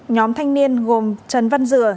nhóm thanh niên gồm trần văn dừa